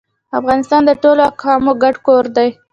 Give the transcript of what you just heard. افغانستان د ټولو اقوامو ګډ کور دی